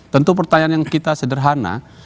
tentu pertanyaan yang kita sederhana